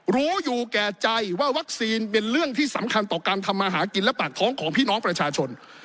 รู้อยู่แก่ใจว่าวัคซีนเป็นเรื่องที่สำคัญต่อการทำมาหากินและปากท้องของพี่น้องประชาชน